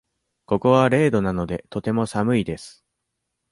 ここは零度なので、とても寒いです。